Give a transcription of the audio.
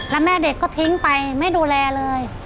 แล้วแม่เด็กก็ทิ้งไปไม่ดูแลเลย